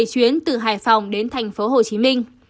bảy chuyến từ hải phòng đến tp hcm